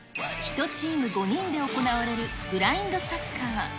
１チーム５人で行われるブラインドサッカー。